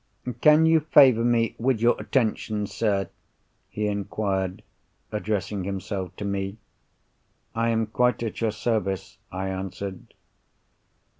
"Can you favour me with your attention, sir?" he inquired, addressing himself to me. "I am quite at your service," I answered.